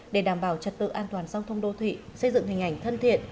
để đảm bảo trật tự an toàn giao thông đô thị xây dựng hình ảnh thân thiện